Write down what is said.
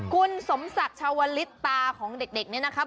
คุณสมศักดิ์ชาวลิศตาของเด็กเนี่ยนะครับ